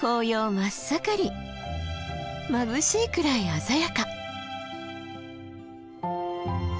まぶしいくらい鮮やか。